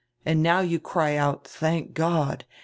And now you cry out, 'Thank God!'